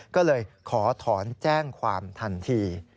ก็เลยขอถอนแจ้งความทันที